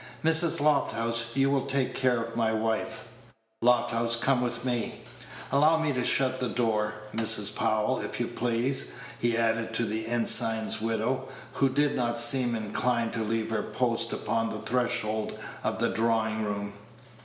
Mrs. Lofthouse, you will take care of my wife. Lofthouse, come with me. Allow Page 125 me to shut the door, Mrs. Powell, if you please," he added to the ensign's widow, who did not seem inclined to leave her post upon the threshold of the drawing room.